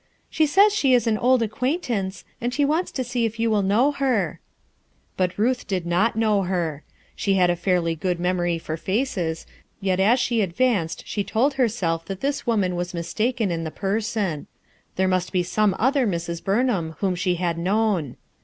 "She says she is un old acquaintance, and she wants to sec if you will know her," But Ruth did not know her. She had a fairly good memory for faces, yet as she advanced she told herself that this woman was mistaken in the person* There must bo some other Mrs. Burnham whom she had known.